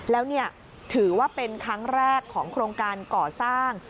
แล้วถือว่าเป็นครั้งแรกของโครงการก่อสร้าง